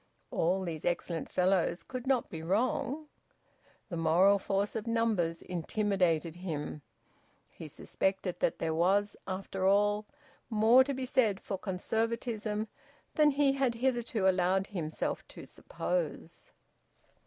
All these excellent fellows could not be wrong. The moral force of numbers intimidated him. He suspected that there was, after all, more to be said for Conservatism than he had hitherto allowed himself to suppose.